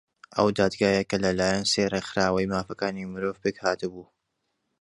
ئەو دادگایە کە لەلایەن سێ ڕێکخراوەی مافەکانی مرۆڤ پێک هاتبوو